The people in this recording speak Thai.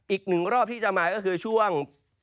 อีก๑รอบที่จะมาก็คือช่วง